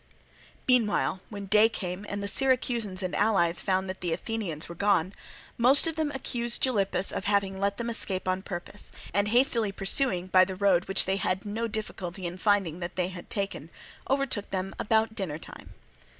Meanwhile, when day came and the Syracusans and allies found that the Athenians were gone, most of them accused Gylippus of having let them escape on purpose, and hastily pursuing by the road which they had no difficulty in finding that they had taken, overtook them about dinner time.